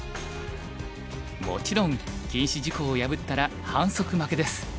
もちろん禁止事項を破ったら反則負けです。